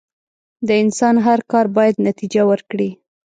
د انسان هر کار بايد نتیجه ورکړي.